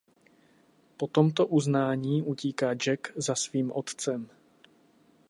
Po tomto uznání utíká Jack za svým otcem.